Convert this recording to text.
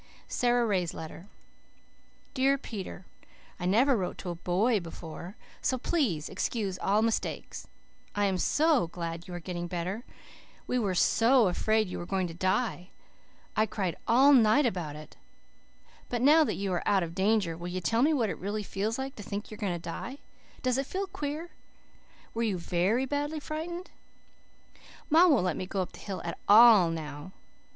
SARA RAY'S LETTER "DEAR PETER: I never wrote to A BOY before, so PLEASE excuse ALL mistakes. I am SO glad you are getting better. We were SO afraid you were GOING TO DIE. I CRIED ALL NIGHT about it. But now that you are OUT OF DANGER will you tell me WHAT IT REALLY FEELS LIKE to think you are going to die? Does it FEEL QUEER? Were you VERY badly frightened? "Ma won't let me go up the hill AT ALL now.